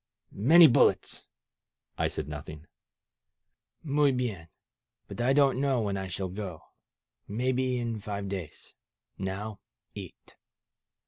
Many bullets!" I said nothing. Muy hien! But I don't know when I shall go. Maybe in five days. Now eat!"